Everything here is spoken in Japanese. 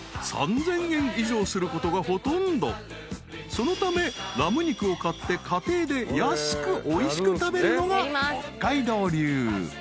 ［そのためラム肉を買って家庭で安くおいしく食べるのが北海道流］